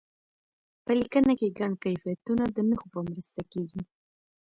په لیکنه کې ګڼ کیفیتونه د نښو په مرسته کیږي.